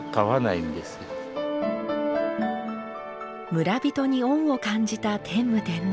村人に恩を感じた天武天皇。